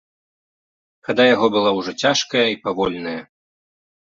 Хада яго была ўжо цяжкая і павольная.